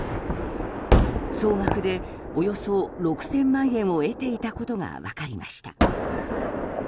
総額でおよそ６０００万円を得ていたことが分かりました。